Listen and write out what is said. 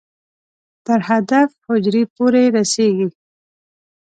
تر هدف حجرې پورې رسېږي.